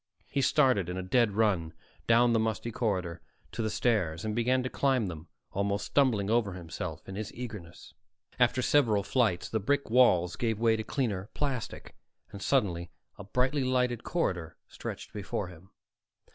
He started in a dead run down the musty corridor to the stairs and began to climb them, almost stumbling over himself in his eagerness. After several flights, the brick walls gave way to cleaner plastic, and suddenly a brightly lighted corridor stretched before him.